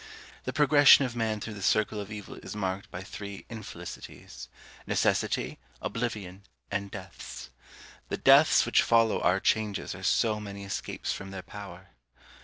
The progression of man through the circle of evil is marked by three infelicities: Necessity, oblivion, and deaths. The deaths which follow our changes are so many escapes from their power.